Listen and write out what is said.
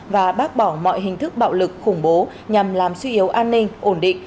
và bác bỏ mọi hình thức bạo lực khủng bố nhằm làm suy yếu an ninh ổn định